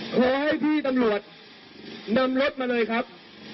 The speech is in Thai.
ขอให้พี่ตำรวจนำรถมาเลยครับ